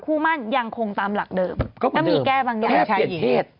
คู่มั่นยังคงตามหลักเดิมก็มีแก้บางอย่างแค่เปลี่ยนเพศ